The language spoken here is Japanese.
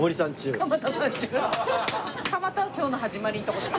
蒲田は今日の始まりの所です。